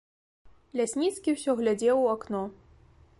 Лясніцкі ўсё глядзеў у акно.